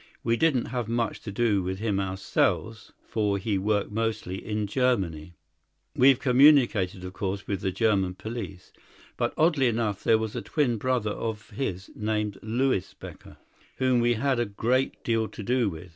We didn't have much to do with him ourselves, for he worked mostly in Germany. We've communicated, of course, with the German police. But, oddly enough, there was a twin brother of his, named Louis Becker, whom we had a great deal to do with.